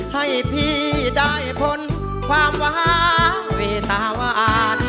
ให้พี่ได้ผลความวะวะเวทาวัน